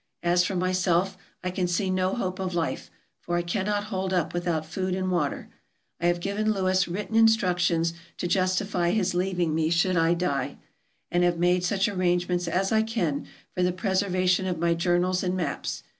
As for myself, I can see no hope of life, for I cannot hold up without food and water. I have given Lewis written instructions to justify his leaving me should I die, and have made such arrange ment as I can for the preservation of my journals and maps.